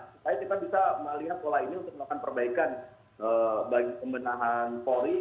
saya pikir kita bisa melihat pola ini untuk melakukan perbaikan bagi pembentahan poli